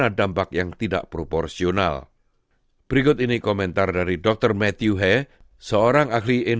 yang diperlukan oleh pemerintah penyelidikan parlamen dan penyelidikan parlamen